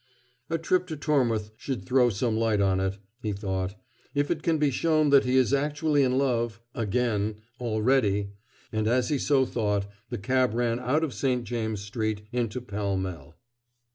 "A trip to Tormouth should throw some light on it," he thought. "If it can be shown that he is actually in love again already " and as he so thought, the cab ran out of St. James's Street into Pall Mall.